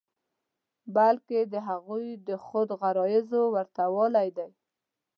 بلکې د هغوی د خود غرضیو ورته والی دی.